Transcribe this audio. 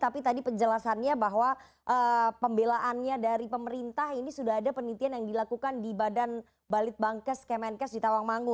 penjelasannya bahwa pembelaannya dari pemerintah ini sudah ada penelitian yang dilakukan di badan balit bankes kemenkes di tawangmangu